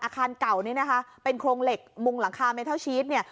เก่านี้นะคะเป็นโครงเหล็กมุงหลังคาเมทัลชีสเนี่ย